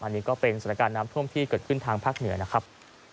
อันนี้ก็เป็นสถานการณ์น้ำท่วมที่เกิดขึ้นทางภาคเหนือนะครับ